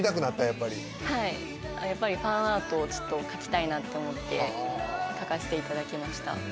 やっぱりはいやっぱりファンアートを描きたいなと思って描かせていただきました